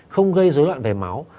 không gây rối loạn về máu